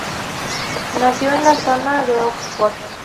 Nacido en la zona de Oxford.